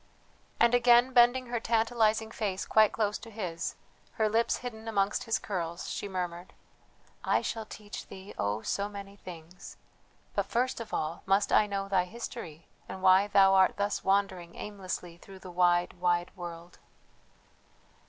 And again bending her tantalizing face quite close to his, her lips hidden amongst his curls, she murmured: "I shall teach thee, oh so many things; but first of all must I know thy history and why thou art thus wandering aimlessly through the wide, wide world."